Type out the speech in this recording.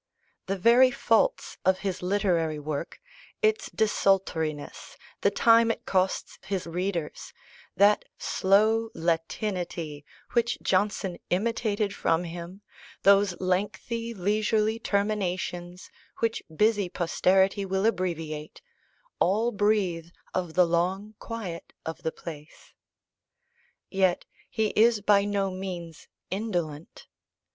The very faults of his literary work, its desultoriness, the time it costs his readers, that slow Latinity which Johnson imitated from him, those lengthy leisurely terminations which busy posterity will abbreviate, all breathe of the long quiet of the place. Yet he is by no means indolent.